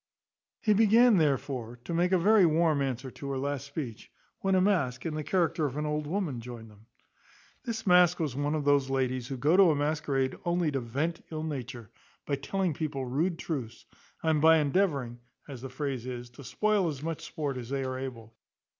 He began therefore to make a very warm answer to her last speech, when a mask, in the character of an old woman, joined them. This mask was one of those ladies who go to a masquerade only to vent ill nature, by telling people rude truths, and by endeavouring, as the phrase is, to spoil as much sport as they are able.